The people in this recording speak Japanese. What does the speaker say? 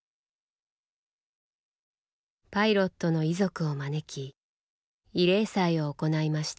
パイロットの遺族を招き慰霊祭を行いました。